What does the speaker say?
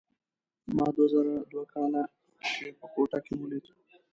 ما دوه زره دوه کال کې په کوټه کې ولید.